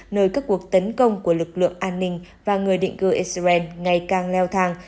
nơi các cuộc tấn công của lực lượng an ninh và người định cư israel ngày càng leo thang